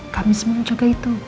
kami semua menjaga itu